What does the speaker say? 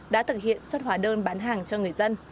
đã thực hiện xuất hóa đơn bán hàng cho người dân